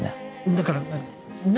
だから何？